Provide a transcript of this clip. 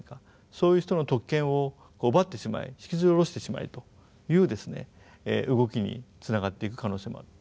そういう人の特権を奪ってしまえ引きずり下ろしてしまえという動きにつながっていく可能性もある。